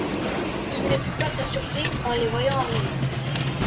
Il ne fut pas très surpris en les voyant arriver.